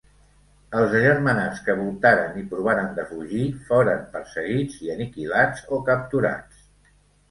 Els agermanats que voltaren i provaren de fugir foren perseguits i aniquilats o capturats.